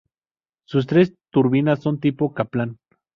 Sus tres turbinas son tipo Kaplan.